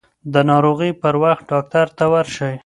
د ناروغۍ پر وخت ډاکټر ته ورشئ.